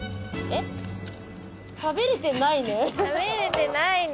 食べれてないね。